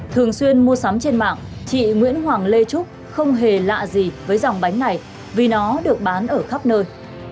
thường xuyên mua sắm trên mạng chị nguyễn hoàng lê trúc không hề lạ gì với dòng bánh này vì nó được bán ở khắp nơi